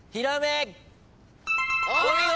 お見事！